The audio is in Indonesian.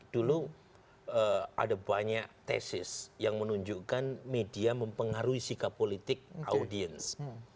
dulu ada banyak tesis yang menunjukkan media mempengaruhi sikap politik audiens